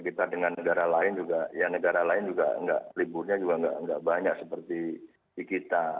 kita dengan negara lain juga ya negara lain juga liburnya juga nggak banyak seperti di kita